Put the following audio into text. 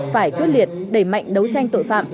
phải quyết liệt đẩy mạnh đấu tranh tội phạm